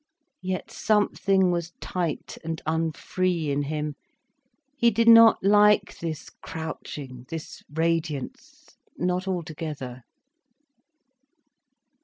Yet something was tight and unfree in him. He did not like this crouching, this radiance—not altogether.